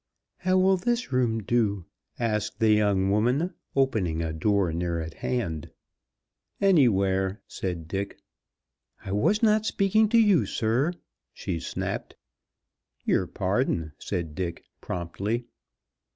"How will this room do?" asked the young woman, opening a door near at hand. "Anywhere," said Dick. "I was not speaking to you, sir," she snapped. "Your pardon," said Dick, promptly.